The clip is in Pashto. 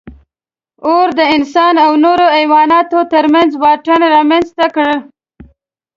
اور د انسان او نورو حیواناتو تر منځ واټن رامنځ ته کړ.